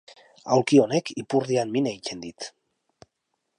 Aulki honek ipurdian min egiten dit